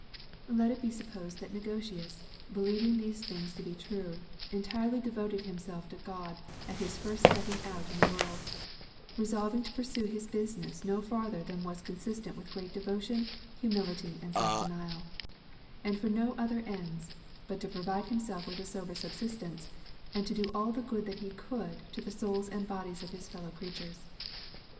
Let it be supposed that Negotius, believing these things to be true, entirel}'' devoted himself to God at his first setting out in the world, resolving to pursue his business no further than was consistent with great devotion, humility, and self denial ; and for no other ends but to provide himself with a sober subsistence, and to do all the good that he could to the souls and bodies of his fellow creatures.